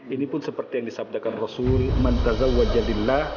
ini pun seperti yang disabdakan rasulullah